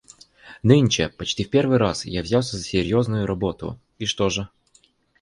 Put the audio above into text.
Нынче почти в первый раз я взялся серьезно за работу, и что же?